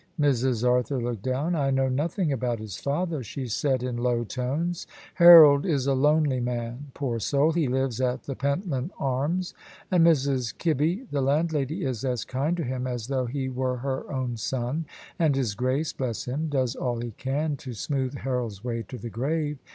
Mrs. Arthur looked down. "I know nothing about his father," she said in low tones. "Harold is a lonely man, poor soul. He lives at the Pentland Arms, and Mrs. Kibby, the landlady, is as kind to him as though he were her own son. And his Grace bless him does all he can to smooth Harold's way to the grave.